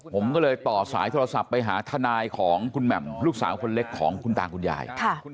ผมก็เลยต่อสายโทรศัพท์ไปหาทนายของคุณแหม่มลูกสาวคนเล็กของคุณตาคุณยาย